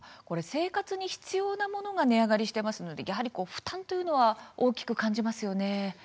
生活に必要なものが値上がりしていますので負担というのは大きく感じますよね。